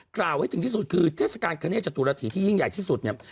กล่าวให้ถึงที่สุดคือเทศกาลคเนตจตุรฐีที่ยิ่งใหญ่ที่สุดเนี่ย